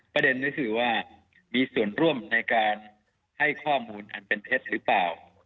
ประเด็นก็คือว่ามีส่วนร่วมในการให้ข้อมูลอันเป็นเท็จหรือเปล่า